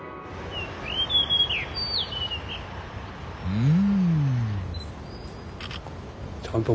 うん！